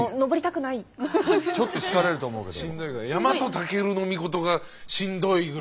でもちょっと疲れると思うけど。